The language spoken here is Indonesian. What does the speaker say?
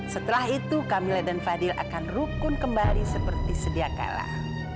setelah itu camilla dan fadil akan rukun kembali seperti sedia kalah